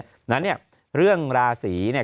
ดังนั้นเนี่ยเรื่องราศรีเนี่ย